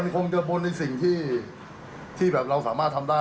คงจะบนในสิ่งที่เราสามารถทำได้